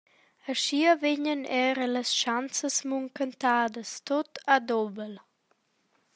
Aschia vegnan era las schanzas munchentadas tut a dubel.